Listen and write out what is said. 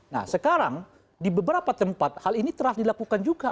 nah sekarang di beberapa tempat hal ini telah dilakukan juga